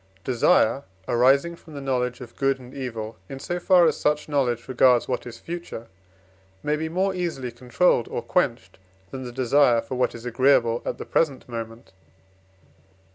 PROP. XVI. Desire arising from the knowledge of good and evil, in so far as such knowledge regards what is future, may be more easily controlled or quenched, than the desire for what is agreeable at the present moment.